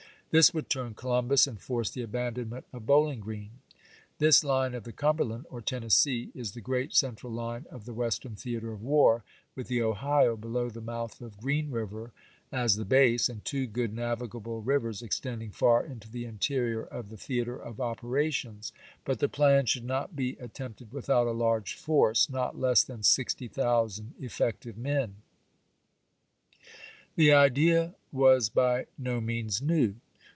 This would turn Columbus and force the abandonment of Bowl ing Green. .. This line of the Cumberland or Tennessee is the great central line of the Western theater of war, with the Ohio below the mouth of Green River as the base, and two good navigable rivers extending far into the interior of the theater mcciISK of operations. But the plan should not be at isS^w^e. tempted without a large force, not less than sixty Jp.^sSsii' thousand effective men." The idea was by no means new.